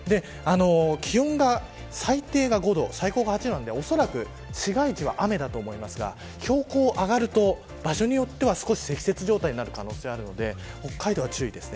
気温が最低が５度最高が８度なので市街地は雨だと思いますが標高が上がると場所によっては積雪状態になる可能性があるので北海道は注意です。